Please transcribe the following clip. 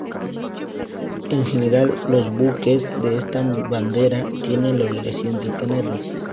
En general los buques de esa bandera tienen la obligación de tenerlos.